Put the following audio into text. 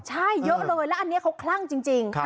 ใช่เยอะเลยแล้วอันนี้เขาคลั่งจริง